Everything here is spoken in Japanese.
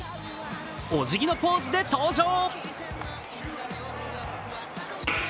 お辞儀のポーズで登場。